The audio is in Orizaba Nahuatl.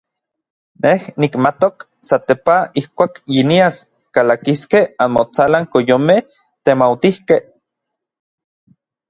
Nej nikmatok satepaj ijkuak yinias kalakiskej anmotsalan koyomej temautijkej.